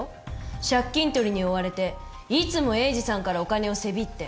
借金とりに追われていつも栄治さんからお金をせびって。